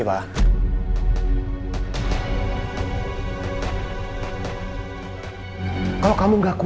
itu dari dua orang dua orang lu